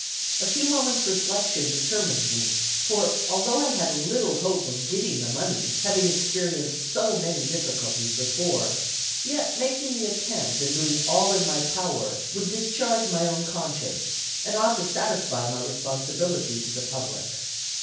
A few moment's reflection determined me; for although I had little hope of getting the money, having experienced so many difficulties before, yet making the attempt and doing all in my power would discharge my own conscience, and ought to satisfy my responsibility to the public."